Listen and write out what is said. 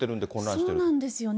そうなんですよね。